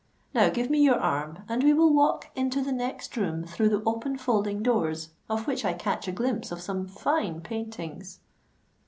Now give me your arm, and we will walk into the next room through the open folding doors of which I catch a glimpse of some fine paintings."